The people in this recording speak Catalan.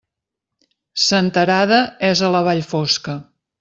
Senterada és a la Vall Fosca.